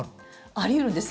あり得るんです。